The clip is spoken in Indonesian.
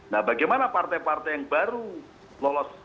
nah bagaimana partai partai yang baru lolos